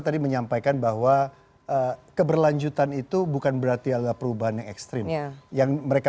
tadi menyampaikan bahwa keberlanjutan itu bukan berarti adalah perubahan yang ekstrim yang mereka